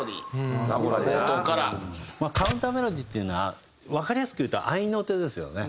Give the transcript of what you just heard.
カウンターメロディーっていうのはわかりやすく言うと合いの手ですよね。